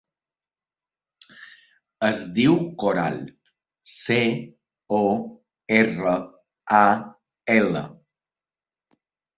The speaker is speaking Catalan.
Es diu Coral: ce, o, erra, a, ela.